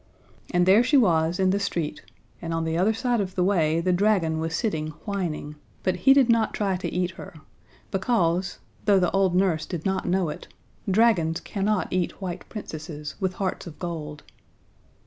And there she was, in the street, and on the other side of the way the dragon was sitting whining, but he did not try to eat her, because though the old nurse did not know it dragons cannot eat white Princesses with hearts of gold.